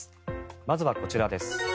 まずはこちらです。